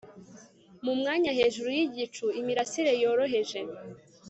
Mu mwanya hejuru yigicu imirasire yoroheje